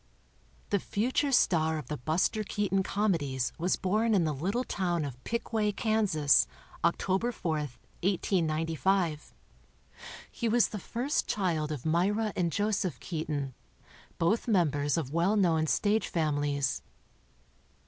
The future star of the Buster Keaton Comedies was born in the little town of Pickway, Kansas, October 4, 1895. He was the first child of Myra and Joseph Keaton, both members of w r ell known stage families.